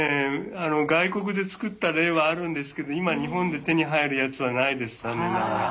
外国で作った例はあるんですけど今日本で手に入るやつはないです残念ながら。